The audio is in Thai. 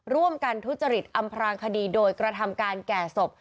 ร่วมกันทุจริตอำพรางคดีโดยกระทำการแก่ศพ